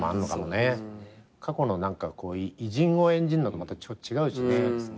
過去の偉人を演じるのとまた違うしね。